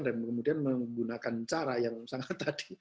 dan kemudian menggunakan cara yang sangat tadi